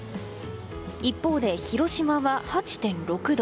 一方で広島は８．６度。